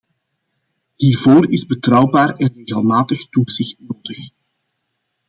Hiervoor is betrouwbaar en regelmatig toezicht nodig.